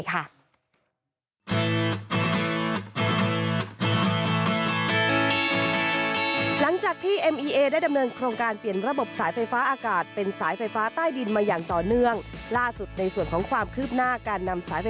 ขณะนี้มีความคืบหน้าไปมากแล้ว